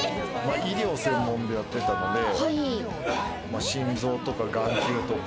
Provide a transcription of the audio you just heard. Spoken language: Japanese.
医療専門でやってたので心臓とか眼球とか。